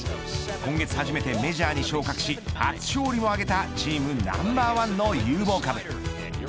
今月初めてメジャーに昇格し初勝利をあげたチームナンバーワンの有望株。